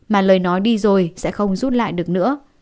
mà lời nói đi rồi sẽ không rút lại được nữa